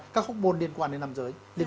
các khúc môn liên quan đến